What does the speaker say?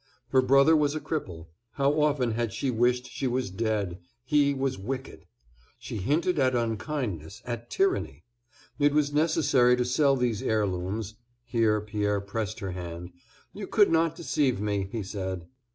Her brother was a cripple—how often had she wished she was dead—he was wicked. She hinted at unkindness, at tyranny. It was necessary to sell these heir looms. (Here Pierre pressed her hand, "You could not deceive me," he said.)